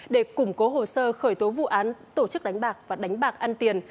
để củng cố hồ sơ khởi tố vụ án tổ chức đánh bạc và đánh bạc ăn tiền